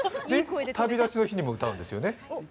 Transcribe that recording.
「旅立ちの日に」も歌うんですよね。